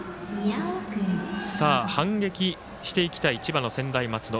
反撃していきたい千葉の専大松戸。